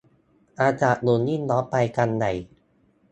อากาศอุ่น ยิ่งร้อนไปกันใหญ่